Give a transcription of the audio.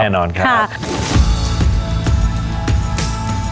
แน่นอนค่ะ